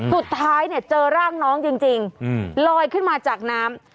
สุดท้ายเนี่ยเจอร่างน้องจริงลอยขึ้นมาจากน้ำ